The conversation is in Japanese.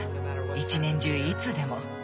一年中いつでも。